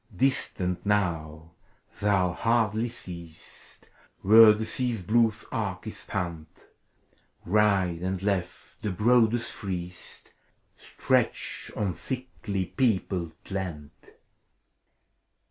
Distant now, thou hardly seest Where the Sea's blue arc is spanned, — Right and left, the broadest, freest Stretch of thickly peopled land.